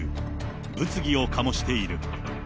物議を醸している。